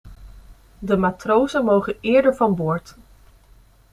De matrozen mogen eerder van boord.